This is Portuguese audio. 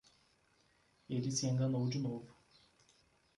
Ele se enganou de novo